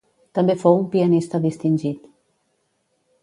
També fou un pianista distingit.